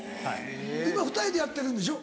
今２人でやってるんでしょ？